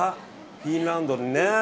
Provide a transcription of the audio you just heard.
フィンランドにね。